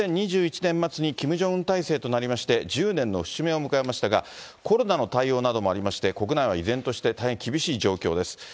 ２０２１年末に、キム・ジョンウン体制となりまして、１０年の節目を迎えましたが、コロナの対応などもありまして、国内は依然として大変厳しい状況です。